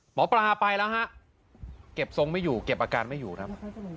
หมอปลาไปแล้วฮะเก็บทรงไม่อยู่เก็บอาการไม่อยู่ครับ